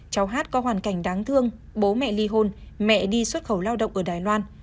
cháu hát có hoàn cảnh đáng thương bố mẹ ly hôn mẹ đi xuất khẩu lao động ở đài loan